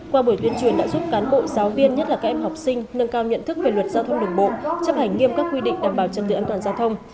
qua buổi tuyên truyền đã giúp cán bộ giáo viên nhất là các em học sinh nâng cao nhận thức về luật giao thông đường bộ chấp hành nghiêm các quy định đảm bảo trật tự an toàn giao thông